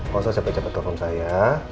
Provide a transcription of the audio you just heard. gak usah sampai cepat nelfon saya